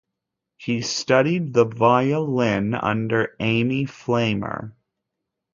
He studied the violin under Ami Flammer.